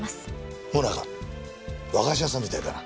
和菓子屋さんみたいだな。